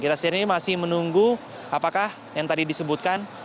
kita sendiri masih menunggu apakah yang tadi disebutkan